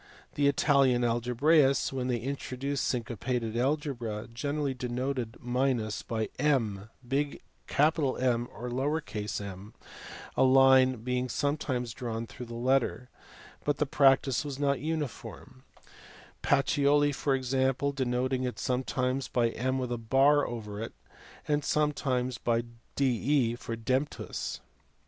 159). The Italian algebraists when they introduced syncopated algebra generally denoted minus by M or in, a line being sometimes drawn through the letter: but the practice \\ as not uniform ; Pacioli for example denoting it sometimes by ni, and sometimes by de for demptus (see p.